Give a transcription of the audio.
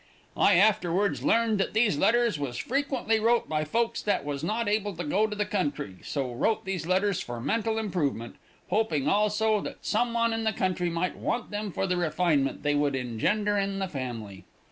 I afterwards learned that these letters was frequently wrote by folks that was not able to go into the country, so wrote these letters for mental improvement, hoping also that some one in the country might want them for the refinement they would engender in the family.